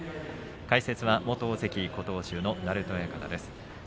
解説は元大関琴欧洲の鳴戸親方です。